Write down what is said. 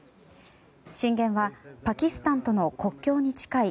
震源はパキスタンとの国境に近い